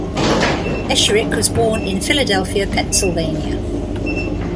Esherick was born in Philadelphia, Pennsylvania.